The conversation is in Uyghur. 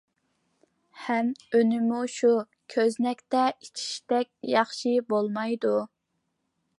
ھەم ئۈنىمۇ شۇ كۆزنەكتە ئېچىشتەك ياخشى بولمايدۇ.